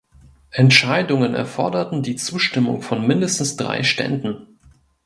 Entscheidungen erforderten die Zustimmung von mindestens drei Ständen.